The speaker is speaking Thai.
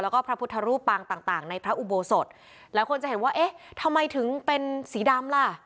แล้วก็พระพุทธรูปปางต่างต่างในพระอุโบสถหลายคนจะเห็นว่าเอ๊ะทำไมถึงเป็นสีดำล่ะ